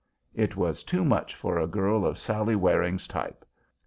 It was too much for a girl of Sallie Waring's type.